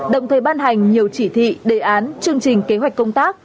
đồng thời ban hành nhiều chỉ thị đề án chương trình kế hoạch công tác